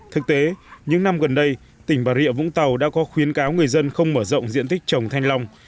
thực tế những năm gần đây tỉnh bà rịa vũng tàu đã có khuyến cáo người dân không mở rộng diện tích trồng thanh long